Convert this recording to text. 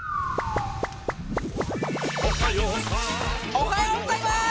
おはようございます！